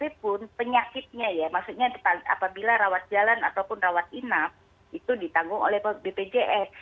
sekalipun penyakitnya ya maksudnya apabila rawat jalan ataupun rawat inap itu ditanggung oleh bpjs